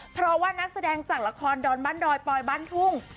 เพราะว่านักแสดงจากละครดอนบ้านดอยปอยบ้านทุ่ง